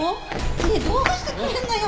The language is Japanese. ねえどうしてくれんのよ。